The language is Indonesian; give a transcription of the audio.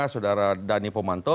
saudara dhani pomanto